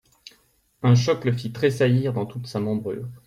Un choc le fit tressaillir dans toute sa membrure.